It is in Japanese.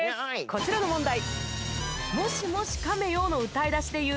こちらの問題。